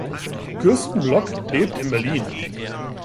Kirsten Block lebt in Berlin.